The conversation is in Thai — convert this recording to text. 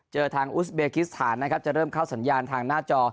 เจอทางอุสเบกิสถานนะครับจะเริ่มเข้าสัญญาณทางหน้าจอ